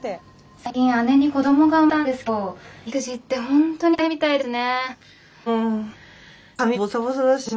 最近姉に子どもが生まれたんですけど育児ってほんとに大変みたいですね。